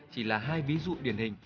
chỉ là hai ví dụ điển hình